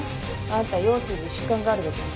あんた腰椎に疾患があるでしょ？